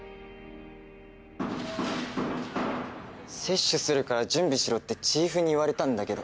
せっしゅするから準備しろってチーフに言われたんだけど。